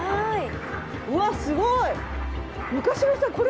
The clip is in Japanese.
うわすごい！